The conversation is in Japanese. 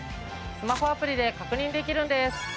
スマホアプリで確認できるんです。